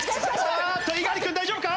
ああっと猪狩君大丈夫か？